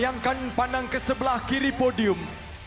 yang kami pandang ke sebelah kiri podium